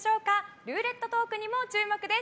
ルーレットトークにも注目です。